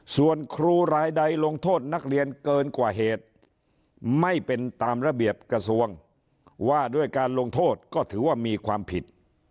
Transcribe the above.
ส่วนครูรายใดลงโทษนักเรียนเกินกว่าเหตุไม่เป็นตามระเบียบกระทรวงว่าด้วยการลงโทษก็ถือว่ามีความผิด